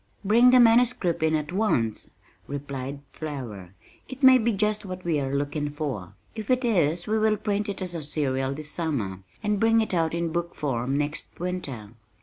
"Bring the manuscript in at once," replied Flower. "It may be just what we are looking for. If it is we will print it as a serial this summer, and bring it out in book form next winter."